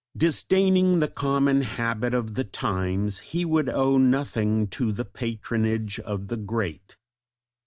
Disdaining the common habit of the times he would owe nothing to the patronage of the great.